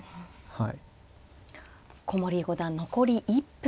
はい。